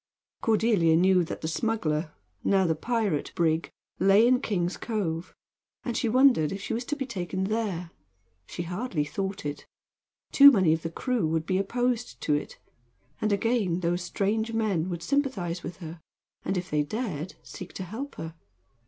Cordelia knew that the smuggler now the pirate brig lay in King's Cove, and she wondered if she was to be taken there. She hardly thought it. Too many of the crew would be opposed to it; and, again, those strange men would sympathize with her, and, if they dared, seek to help her.